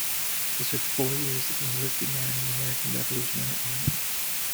He served four years as an enlisted man in the American Revolutionary Army.